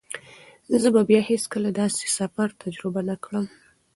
زه به بیا هیڅکله داسې سفر تجربه نه کړم.